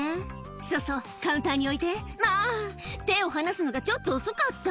そうそう、カウンターに置いて、まぁ、手を放すのがちょっと遅かった。